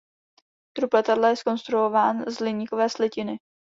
Trup letadla je zkonstruován z hliníkové slitiny.